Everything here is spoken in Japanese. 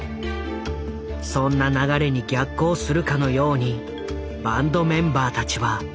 そんな流れに逆行するかのようにバンドメンバーたちは来日した。